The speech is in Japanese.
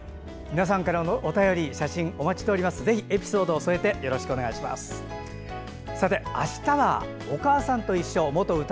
皆さんからのお便り、写真お待ちしております。